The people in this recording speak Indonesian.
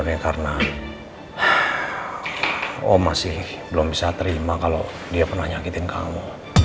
karena oh masih belum bisa terima kalau dia pernah nyakitin kamu